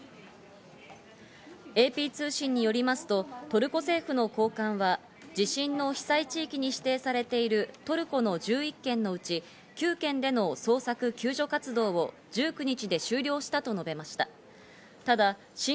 ＡＰ通信によりますとトルコ政府の高官は、地震の被災地域に指定されているトルコの１１県のうち、９県での捜索・救助活動を１９日で終了したと述べました。